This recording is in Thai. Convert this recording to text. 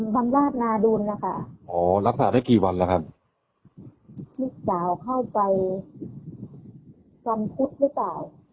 บำราชนาดุลนะคะอ๋อรักษาได้กี่วันแล้วครับลูกสาวเข้าไปวันพุธหรือเปล่า